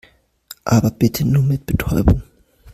Aber bitte nur mit Betäubung.